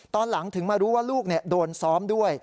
ตอนหลังถึงมารู้ว่าลูกโดนซ้อมด้วย